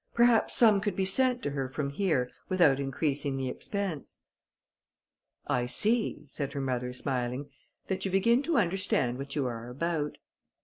Perhaps some could be sent to her from here without increasing the expense." "I see," said her mother, smiling, "that you begin to understand what you are about."